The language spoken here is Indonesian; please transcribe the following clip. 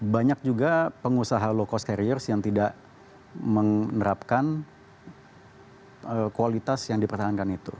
banyak juga pengusaha low cost carriers yang tidak menerapkan kualitas yang dipertahankan itu